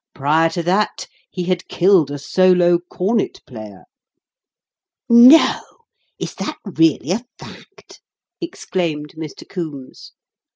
"Prior to that he had killed a solo cornet player." "No! Is that really a fact?" exclaimed Mr. Coombes.